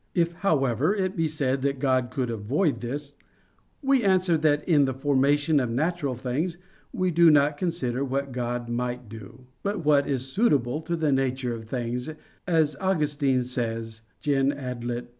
If, however, it be said that God could avoid this, we answer that in the formation of natural things we do not consider what God might do; but what is suitable to the nature of things, as Augustine says (Gen. ad lit.